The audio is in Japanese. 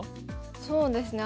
そうですね。